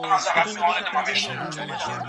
مرګ د روح د بېدارۍ وخت دی.